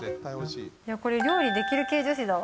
いや、これ、料理できる系女子だわ。